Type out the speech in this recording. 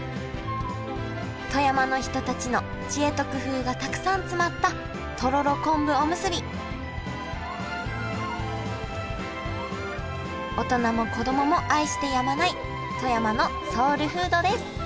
富山の人たちの知恵と工夫がたくさん詰まったとろろ昆布おむすび大人も子供も愛してやまない富山のソウルフードです